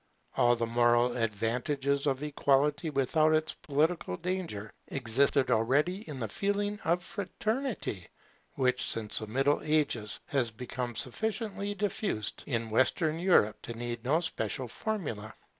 All the moral advantages of Equality without its political danger existed already in the feeling of Fraternity, which, since the Middle Ages, has become sufficiently diffused in Western Europe to need no special formula.